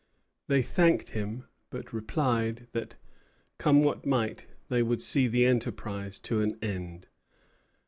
They thanked him, but replied that, come what might, they would see the enterprise to an end.